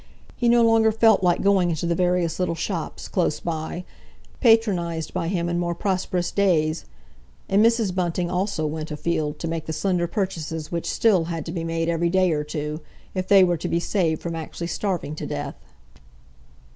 He no longer felt like going into the various little shops, close by, patronised by him in more prosperous days, and Mrs. Bunting also went afield to make the slender purchases which still had to be made every day or two, if they were to be saved from actually starving to death.